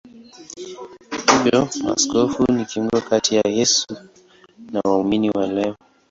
Hivyo maaskofu ni kiungo kati ya Yesu na waumini wa leo.